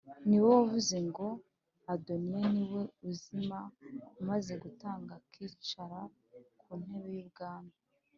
ni wowe wavuze ngo Adoniya ni we uzima umaze gutanga, akicara ku ntebe y’ubwami?